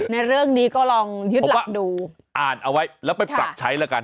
ในเรื่องนี้ก็ลองยึดหลักดูอ่านเอาไว้แล้วไปปรับใช้แล้วกัน